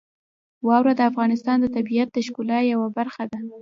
واوره د افغانستان د طبیعت د ښکلا یوه برخه ده.